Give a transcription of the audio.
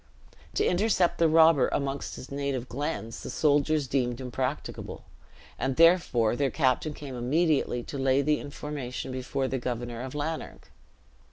To intercept the robber amongst his native glens, the soldiers deemed impracticable, and therefore their captain came immediately to lay the information before the Governor of Lanark.